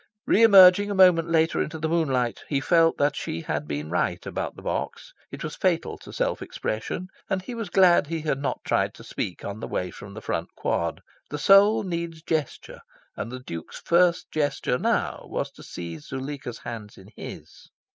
Re emerging a moment later into the moonlight, he felt that she had been right about the box: it was fatal to self expression; and he was glad he had not tried to speak on the way from the Front Quad: the soul needs gesture; and the Duke's first gesture now was to seize Zuleika's hands in his.